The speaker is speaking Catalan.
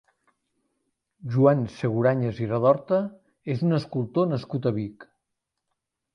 Joan Seguranyes i Redorta és un escultor nascut a Vic.